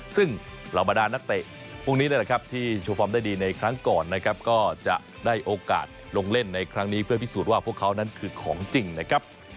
ซึ่งเหล่าบรรดานักเตะพวกนี้นะครับที่โชว์ฟอร์มได้ดีในครั้งก่อนนะครับก็จะได้โอกาสลงเล่นในครั้งนี้เพื่อพิสูจน์ว่าพวกเขานั้นคือของจริงนะครับ